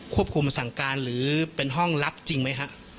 ควบคุมสั่งการหรือเป็นห้องรับจริงไหมฮะ